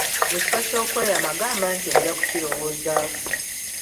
Mu kifo ky'okweyama gamba nti ojja kukirowoozako.